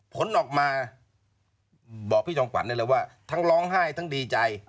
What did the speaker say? ผลออกมาบอกพี่จอมขวัญได้เลยว่าทั้งร้องไห้ทั้งดีใจ